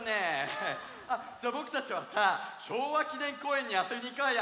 じゃあぼくたちはさ昭和記念公園にあそびにいこうよ！